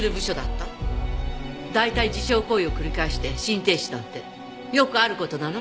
大体自傷行為を繰り返して心停止なんてよくある事なの？